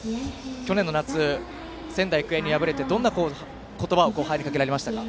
去年の夏、仙台育英に敗れてどんな言葉を後輩にかけられましたか？